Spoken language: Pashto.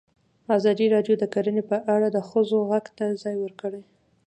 ازادي راډیو د کرهنه په اړه د ښځو غږ ته ځای ورکړی.